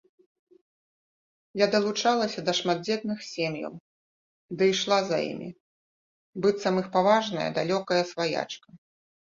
Я далучалася да шматдзетных сем'яў ды ішла за імі, быццам іх паважная далёкая сваячка.